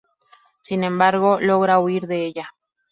Sin embargo, logra huir de ella.